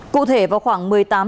cụ thể vào khoảng ngày hôm nay